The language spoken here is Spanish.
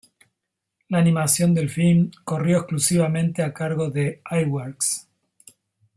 La animación del filme corrió exclusivamente a cargo de Iwerks.